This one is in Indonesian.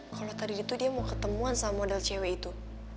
kalau tadi dia tuh dia mau ketemuan sama model cewek itu